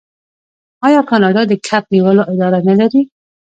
آیا کاناډا د کب نیولو اداره نلري؟